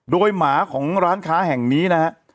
โดยหมาของร้านค้าแห่งนี้นะฮะ